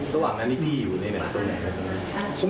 ระหว่างนั้นนี้พี่อยู่ไหนแน่ะตรงไหน